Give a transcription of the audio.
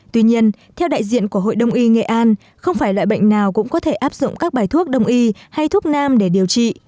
tuy nhiên theo đại diện của hội đồng y nghệ an không phải loại bệnh nào cũng có thể áp dụng các bài thuốc đông y hay thuốc nam để điều trị